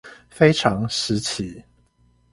非常時期